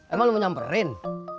emang lu mau nyamperin